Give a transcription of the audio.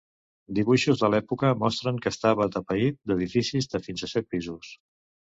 Dibuixos de l'època mostren que estava atapeït d'edificis de fins a set pisos.